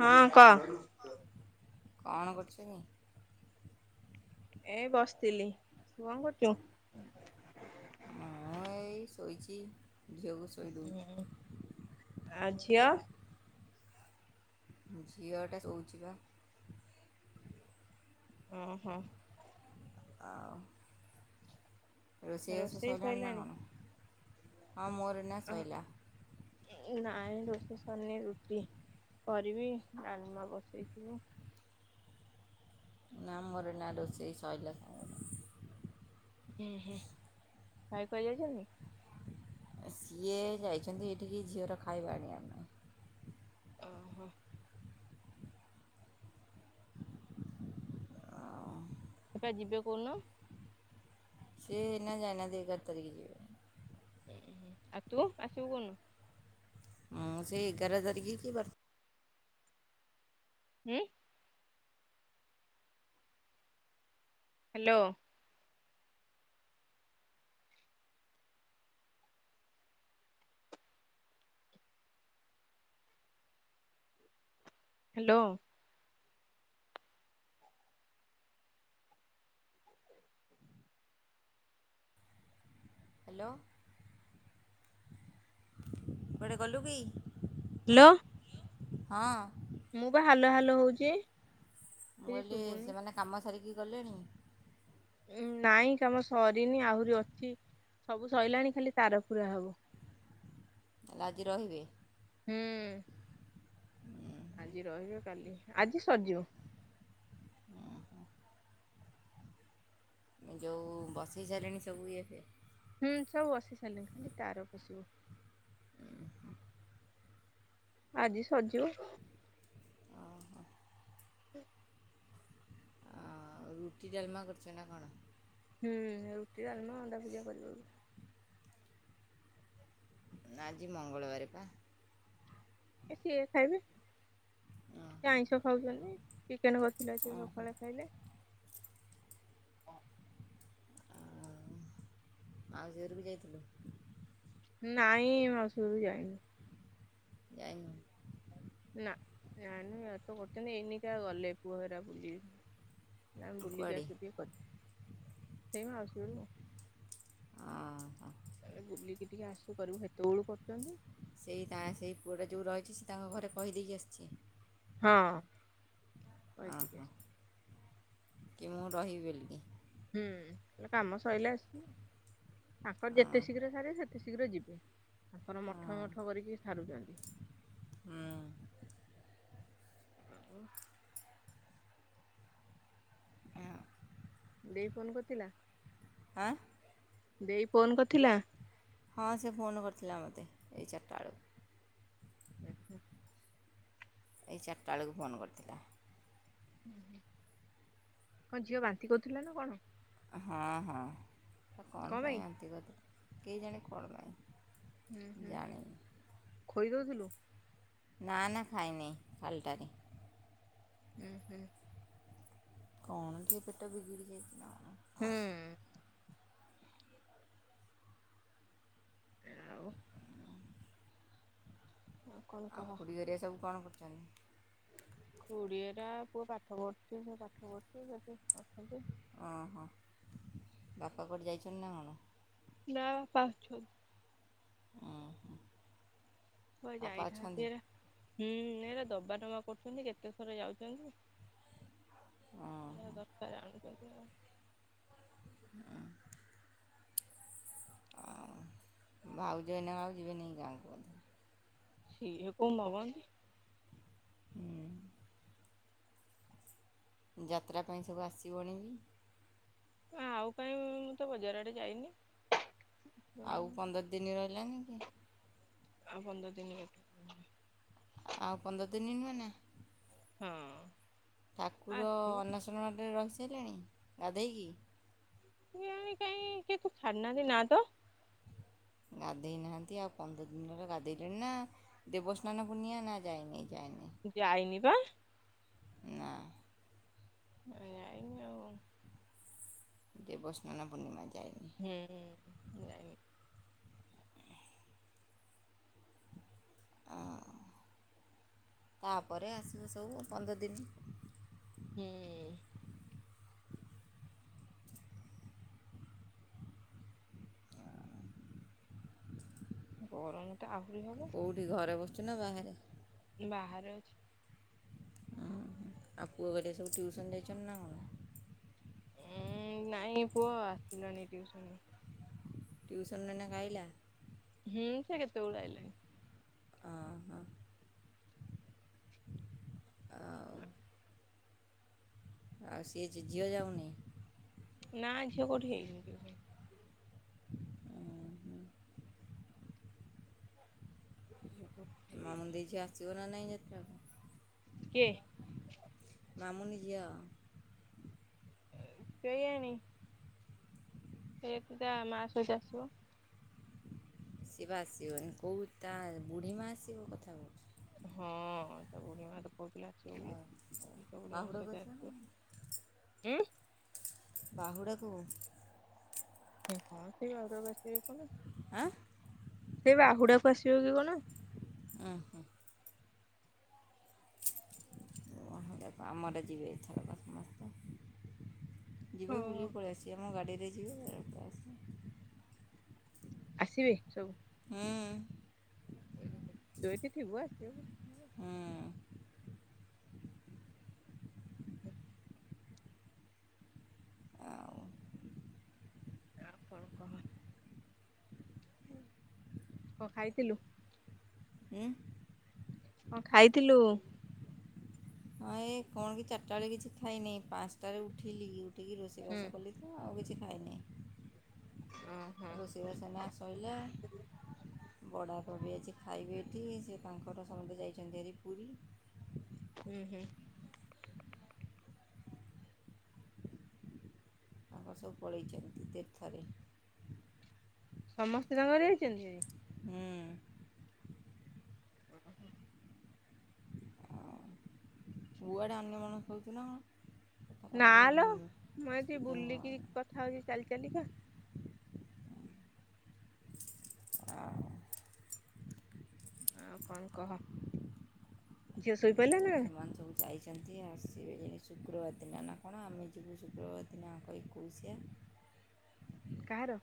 ହଁ କହ। କଣ କରୁଚୁ କି? ଏଇ ବସିଥିଲି। ତୁ କଣ କରୁଚୁ? ମୁଁ ଏଇ ଶୋଇଚି ଝିଅକୁ ଶୋ ଶୋଇଦଉଚି। ଆ ଝିଅ? ଝିଅଟା ଶୋଉଚି ବା। ଓ ହୋ। ଆଉ। ରୋଷେଇ ବାସ ସଇଲାଣି ନା କଣ? ହଁ ମୋର ଏଇନା ସ‌ଇଲା। ଏ ନାଇଁ ରୋଷେଇ ସରିନି ରୁଟି କରିବି ଡାଲ୍ମା ବସେଇଚି। ନା ମୋର ଏଇନା ରୋଷେଇ ସଇଲା ସାଙ୍ଗେ ଆ ଉଁ ହୁଁ ଭାଇ କୁଆଡ଼େ ଯାଇଛନ୍ତି? ସିଏ ଯାଇଛନ୍ତି ଏଇଠିକି ଝିଅର ଖାଇବା ଆଣିବା ପାଇଁ। ଓହୋ। ଆଉ? ସିଏପା ଯିବେ କଉଦିନ? ସିଏ ଏଇନା ଯାାଇନାହାନ୍ତି ଏଗାର ତାରିକି ଯିବେ। ଉଁ ହୁଁ ଆଉ ତୁ ଆସିବୁ କଉ ନ? ମୁଁ ସେଇ ଏଗାର ତାରିକି କି ବାର ହୁଁ? ହ୍ୟାଲୋ! ହ୍ୟାଲୋ! ହ୍ୟାଲୋ କୁଆଡ଼େ ଗଲୁକି? ହ୍ୟାଲୋ? ହେଲ୍ଲୋ? ହଁ। ମୁଁ ବା ହାଲୋ ହାଲୋ ହଉଚି। ମୁଁ କହିଲି ସେମାନେ କାମ ସାରିକି ଗଲେଣି? ଉ ନାଇଁ କାମ ସରିନି ଆହୁରି ଅଛି ସବୁ ସଇଲାଣି ଖାଲି ତାର ପୁରା ହବ। ତାହେଲେ ଆଜି ରହିବେ? ହୁଁ। ଆଜି ରହିବେ କାଲି ଆଜି ସରିଯିବ। ଏଇ ଯେଉଁ ବସେଇ ସାଇଲେଣି ସବୁ ଇଏ ଫିଏ? ହୁଁ ସବୁ ବସି ସାଇଲାଣି ଖାଲି ତାର ବସିବ। ଆଜି ସରିଯିବ। ଅ ହ। ହୁଁ। ଆଉ ରୁଟି ଡାଲମା କରିଚ ନା କଣ? ହୁଁ ରୁଟି ଡାଲମା ଅଣ୍ଡାଭୂଜିଆ କରିବ। ଆଜି ମଙ୍ଗଳବାର ପା। ଏ ସିଏ ଖାଇବେ। ସେ ଓହୋ ଆଇଁଷ ଖାଉଛନ୍ତି ଚିକେନ କରିଥିଲେ ଆଜି ଓହୋ ସକାଳେ ଖାଇଲେ। ଆଉ ମାଉସୀ ଘରକୁ ଯାଇଥିଲୁ? ନାଇଁ ମାଉସୀ ଘରକୁ ଯାଇନି। ଯାଇନୁ? ନା ଯାଇନି ଏ ତ କରୁଥିନି ଏଇନକା ଗଲେ ପୁଅ ହେରା ବୁଲି। ଯାଉନ ବୁଲିକି କୁଆଡ଼େ ଆସିବ ଟିକେ କ ସେଇ ମାଉସୀ ଘରକୁ। ଅ। ବୁଲିକି ଟିକେ ଆସୁ କରିବୁ ହେତେବେଳୁ କରୁଛନ୍ତି। ସେଇ ତା ସେଇ ପୁଅଟା ଯେଉଁ ରହିଛି ସେ ତାଙ୍କ ଘରେ କହିଦେଇକି ଆସିଛି। ହଁ। ଅ କହିକି ହ ଆସି କି ମୁଁ ରହିବି ବଲକି। ହୁଁ ଲା କାମ ସଇଲେ ଆସିବ। ତାଙ୍କର ଯେତେ ଶୀଘ୍ର ସାରିବେ ସେତେ ଶୀଘ୍ର ଯିବେ ତାଙ୍କର ମଠ ମଠ କରିକି ସାରୁଛନ୍ତି। ହଁ। ହଁ। ଦେଇ ଫୋନ କରିଥିଲା। ଆଁ? ଦେଇ ଫୋନ କଥିଲା? ହଁ ସେ ଫୋନ୍ କରିଥିଲା ମୋତେ ଏଇ ଚାରିଟା ବେଳକୁ। ହୁଁ ହୁଁ। ଏଇ ଚାରିଟା ବେଳକୁ ଫୋନ୍ କରିଥିଲା। ଉଁ ହୁଁ କଣ ଝିଅ ବାନ୍ତି କରୁଥିଲା ନା କଣ? ହଁ ହଁ କଣ ପାଇଁ ବାନ୍ତି କରିଥିଲା କେ ଜାଣି କଣ ପାଇଁ? ହୁଁ ହୁଁ ଜାଣିନି ଖୋଇଦଉଥିଲୁ? ନା ନା ଖାଇନି ଖାଲଟାରେ। ହୁଁ ହୁଁ। କଣ ଟିକେ ପେଟ ବିଗିଡ଼ିି ଯାଇଥିବ ଆଉ। ହୁଁ। ଆଉ? କଣ ଆଉ କହ? ଖୁଡ଼ିଗରିଆ ସବୁ କଣ କରୁଛନ୍ତି? ଖୁଡିଏରା ପୁଅ ପାଠ ପଢୁଛି ସେ ପାଠ କରୁଛି ସେଠି ଅଛନ୍ତି। ଓହୋ ବାପା କୁଆଡେ଼ ଯାଇଛନ୍ତି ନା କଣ? ନା ବାପା ଅଛନ୍ତି। ଓହୋ। କୁଆରେ ଯାଇଥାନ୍ତି ଏରା ହୁଁ ଏରା ଦବା ନବା କରୁଛନ୍ତି କେତେଥର ଯାଉଛନ୍ତି। ଯାହା ଓହୋ ଦରକାର୍ ଆଣୁଛନ୍ତି ଆଉ। ହୁଁ। ଭାଉଜ ଏଇନେକା ଆଉ ଯିବେନେଇ ଗାଁକୁ ବୋଧେ? ସିଏ କଉ ମଗନ୍ତି। ହୁଁ। ଯାତ୍ରା ପାଇଁ ସବୁ ଆସିବଣିବି? ଆଉ କାଇଁ ମୁଁ ତ ବଜାର ଆଡେ ଯାଇନି। ପୁଣି ଆଉ ପନ୍ଦର ଦିନି ରହିଲାନି କି? ଆଉ ପନ୍ଦର ଦିନ ଗୋଟେ [unintelligible] ଆଉ ପନ୍ଦର ଦିନି ନୁହେଁ ନା? ହଁ। ଠାକୁର ଆସିବ ଅନସନରେ ରହି ସାରିଲେଣି ଗାଧେଇକି? କିଆଣି କାଇଁ କିଛି ଛାଡ଼ି ନାହାଁନ୍ତି ନା ତ। ଗାଧେଇ ନାହାଁନ୍ତି ଆଉ ପନ୍ଦର ଦିନ ହେଲା ଗାଧେଇଲେଣି ନା? ଦେବସ୍ନାନ ପୁର୍ଣ୍ଣିଆ ନା ଯାଇନି ଯାଇନି। ଯାଇନି ପା। ନା। ଏ ଦେବସ୍ନାନ ପୂର୍ଣ୍ଣିମା ଯାଇନି। ହୁଁ ଯାଇନି। ଆଉ ତାପରେ ଆସିବୁ ସବୁ ପନ୍ଦର ଦିନି। ହୁଁ। ଗରମ ତ ଆହୁରି ହବ। ତୁ ଘରେ ବସିଛୁ ନା ବାହାରେ? ବାହାରେ ଅଛି। ଉଁ ହୁଁ ଆଉ ପୁଅ ଘରିକା ସବୁ ଟ୍ୟୁସନ୍ ଯାଇଛନ୍ତି ନା କଣ? ଉଁ ନାଇଁ ପୁଅ ଆସିଲାଣି ଟିୟୁସନ୍ ରୁ। ଟିୟୁସନ୍ ନେ ନା ଖାଇଲା। ହୁଁ ସେ କେତେବେଳୁଆଇଲାନି। ହଁ ହଁ ଆଉ ଆଉ ସେ ଝିଅ ଯାଉନି। ନା ଝିଅ କୋଠ ହେଇଯଛନ୍ତି [unintelligible] ହଁ ହ [inaudible] ମାମୁଁ ଦେଇ ଝିଅ ଆସିବ ନା ନାଇ ଯାତ୍ରାକୁ? କିଏ? ମାମୁନି ଝିଅ। କେଇଆଣି। ସେତିଟା ମା ସହିତ ଆସିବ। ଆସିବ ଆସିବନି କେଉଁ ତା ବୁଢ଼ୀମା ଆସିବ କଥା କହୁଛି। ହଁ ତା ବୁଢ଼ୀ ମା କହୁଥିଲା ଆସିବ ବୋଲି ଆଉ ତା ବୁଢୀମା ବାହୁଡ଼ାକୁ ସହିତ ନା ଆସିବ। ଉଁ? ବାହୁଡାକୁ? ହଁ ସେ ଗର ବଛିିବ କଣ [unintelligible] ଆଁ। ସେ ବାହୁଡାକୁ ଆସିବ କି କଣ? ଉହୁଁ। ଉହୁଁ ଆମର ଯିବେ ଏଥରକ ସମସ୍ତେ। ଯିବେ ହଁ ବୁଲିକି ପଳେଇ ଆସିବେ ଆମ ଗାଡ଼ିରେ ଯିବେ [inaudible] ଆସିବେ ସବୁ? ଉଁ। ତୁ ଏଇଠୁ ଥିବୁ ଆସିବେ ହୁଁ ହ। ଆଉ ଆ କଣ କହ? କ ଖାଇଥିଲୁ? ଉଁ? କ ଖାଇଥିଲୁ? ହଁ ଏ କଣ କି ଚାରିଟା ବେଳେ କିଛି ଖାଇନି ପାଞ୍ଚଟାରେ ଉଠିଲି ଉଠିକି ହୁଁ ରୋଷେଇବାସ କଲି। ଆଉ କିଛି ଖାଇନି ଓହୋ ରୋଷେଇବାସ ଏଇନା ଶଇଲା। ବଡ଼ ବାପା ଅଛି ଖାଇବେ ଏଠି ସେ ତାଙ୍କର ସମସ୍ତେ ଯାଇଛନ୍ତି ହେରି ପୁରୀ। ହ ହୁଁ ହୁଁ। ଆମର ସବୁ ପଳେଇଛନ୍ତି ତୀର୍ଥରେ। ସମସ୍ତେ ତାଙ୍କର ଯାଇଛନ୍ତି ହେରି। ହୁଁ। ଓହୋ ହୋ। କୁଆଡ଼େ ଅନ୍ୟ ମନସ୍କ ହେଉଛୁ ନା କଣ? କଥାଟା ନା ଲୋ ବେଳେ ମୁଁ ଏଠି ସ୍ପିକିଂ ବୁଲିକି କଥା ହଉଛି ଚାଲି ଚାଲିକ। ଆଉ ଆଉ କଣ କହ? ଝିଅ ଶୋଇପଇଲା ନା? ଆ ସବୁ ଯାଇଛନ୍ତି ଆସିବେ ଯେ ଶୁକ୍ରବାର ଦିନ ନା କଣ ଆମେ ଯିବୁ ଶୁକ୍ରବାର ଦିନ ଆଙ୍କ ଏକୋଇଶିଆ। କାହାର।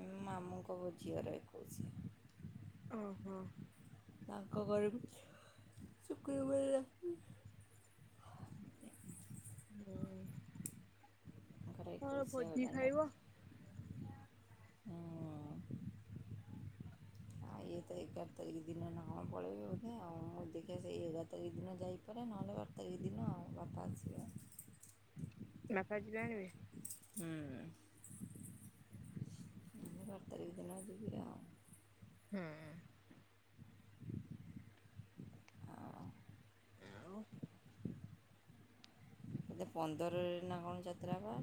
ମ ମାମୁଙ୍କ ଝିଅର ଏକୋଇଶିଆ। ଓହୋ। ତାଙ୍କ ଘରକୁ ଶୁକ୍ରବାର ରାତି ହୁଁ। କଣ ଭୋଜି ଖାଇବ। ହୁଁ। ଆଉ ଇଏ ତ ଏଗାର ତାରିଖ ଦିନ ନାଁ ପଳେଇବେ ବୋଧେ ଆଉ ମୁଁ ଦେଖିବା ସେଇ ଏଗାର ତାରିଖ ଦିନ ଯାଇ ନହେଲେ ବାର ତାରିଖ ଦିନ ବାପା ଆସିବେ। ବାପା ଯିବେ ଆଣିବେ। ହୁଁ। ବାର ତାରିଖ ଦିନ ଯବିି ଆଉ। ହୁଁ। ଆଉ ଆଉ। ହୁଁ କେତେ ପନ୍ଦରରେ ନା କଣ ଯାତ୍ରାବା।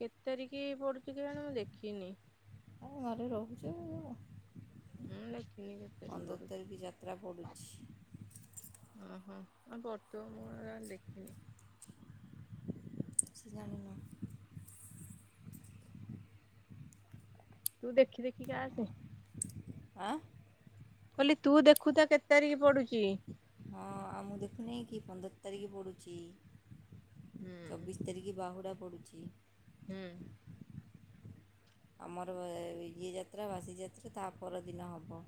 କେତେ ତାରିଖ ପଡୁଛି କେଜାଣି ମୁଁ ଦେଖିନି। ଆ ଘରେ ରହୁଛୁ। ମୁଁ ଦେଖିନି କେତେ ତାରିଖ ପନ୍ଦର ପଡୁଛି ତାରିଖ ଯାତ୍ରା ପଡ଼ୁଛି। ଓହୋ ଆଉ ପଡୁଥିବ ମୁଁ ଆଉ ଦେଖିନି। ସେ ଜାଣିନ। ତୁ ଦେଖି ଦେଖି କା ଆସେ। [inaudible] ଆଁ। ମୁଁ କହିଲି ତୁ ଦେଖୁଥା କେତେ ତାରିଖ ପଡୁଚି। ହଁ ଆଉ ମୁଁ ଦେଖୁନେଇ କି ପନ୍ଦର ତାରିଖ ପଡୁଛି। ହୁଁ ଚବିଶ ତାରିଖ ବାହୁଡ଼ା ପଡ଼ୁଛି। ହୁଁ। ଆମର ଇଏ ଯାତ୍ରା ବାସି ଯାତ୍ରା ତା ପରଦିନ ହବ।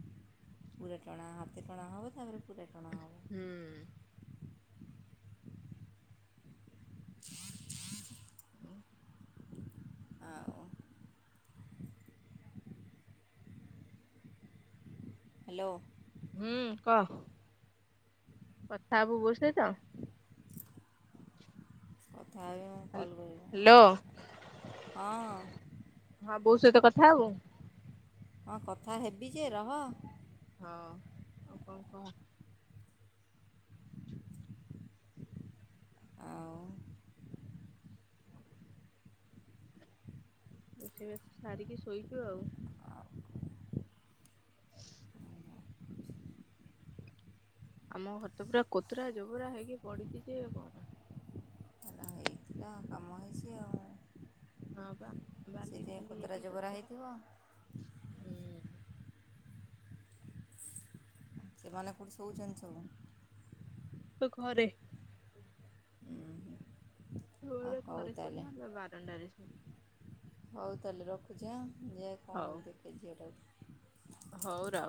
ପୁରା ଟଣା ହାତ ଟଣା ହେବ ତାପରେ ପୁରା ଟଣା ହବ। ହୁଁ। ଆଉ ହ୍ୟାଲୋ। ହୁଁ କହ। କଥା ହବୁ ବୋଉ ସହିତ। ଥାଉ ବେ ମୁ ହ୍ୟାଲୋ ହଁ ହଁ ବୋଉ ସହିତ କଥା ହବୁ। ହଁ କଥା ହେବି ଯେ ରହ। ହଁ ଆଉ କଣ କହ। ଆଉ ରୋଷେଇ ବାସ ସାରିକି ଶୋଇଛୁ ଆଉ। ଆମ ଘର ତ ପୁରା କୋତୁରା ଜୋବୁରା ହେଇକି ପଡିଛି ଯେ କହନା। ହେଲା ଏଇଟ୍। ଏ କାମ ହେଇଛି ଆଉ। ହଁ ପା। ସେଥିପାଇଁ କୋତରା ଜବରା ହେଇଥିବ। ହୁଁ। ସେମାନେ କୋଉଠି ସୋଉଛନ୍ତି ସବୁ? ଘରେ। ସବୁବେଳେ ହଉ ଘରେ ତା'ହେଲେ [unintelligible] ବାରଣ୍ଡାରେ ଶୋଉ। ହଉ ତା ହେଲେ ରଖୁଛି ଆଁ ଯାଏ ହଉ କଣ ଦେଖେ ଝିଅଟାକୁ। ହଉ ର।